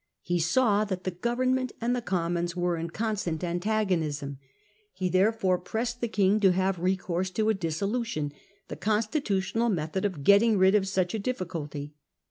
He saw that the Government and the Commons were in constant antagonism. He therefore pressed 1667 152 The Fall of Clarendon . the King to have recourse to a dissolution, the constitu tional method of getting rid of such a difficulty.